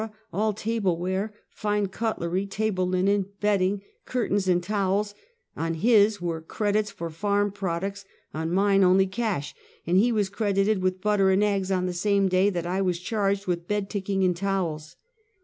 all table ware, fine cutlery, table linen, bedding, curtains and towels; on his were, credits for farm products; on mine, only cash; and he was credited with butter and eggs on the same day that I was charged with bed ticking and towels.